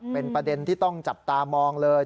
เป็นประเด็นที่ต้องจับตามองเลย